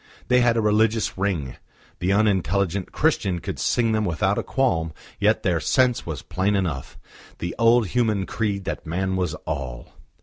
They had a religious ring; the unintelligent Christian could sing them without a qualm; yet their sense was plain enough the old human creed that man was all.